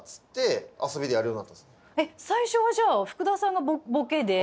えっ？最初はじゃあ福田さんがボケで。